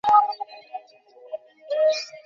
আমার পত্র অন্য কেউ যেন না পড়ে, তোমরা ছাড়া।